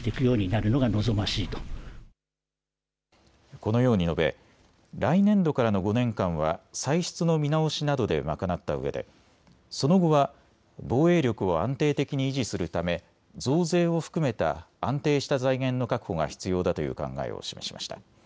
このように述べ来年度からの５年間は歳出の見直しなどで賄ったうえでその後は防衛力を安定的に維持するため増税を含めた安定した財源の確保が必要だという考えを示しました。